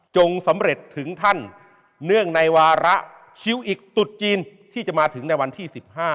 สำเร็จถึงท่านเนื่องในวาระชิลอิกตุดจีนที่จะมาถึงในวันที่๑๕